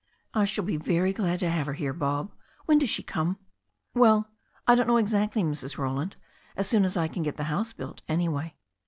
"I shall be very glad to have her here, Bob. When does she come?" "Well, I don't know exactly, Mrs. Roland. As soon as I can get the house built, anyway."